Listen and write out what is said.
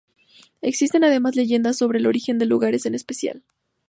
Existen además, leyendas sobre el origen de lugares en especial.